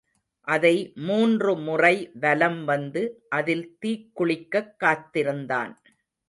அதை மூன்று முறை வலம் வந்து அதில் தீக்குளிக்கக் காத்திருந்தான்.